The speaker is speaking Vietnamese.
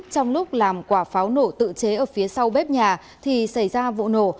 trong lúc làm quả pháo nổ tự chế ở phía sau bếp nhà thì xảy ra vụ nổ